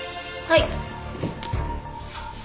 はい。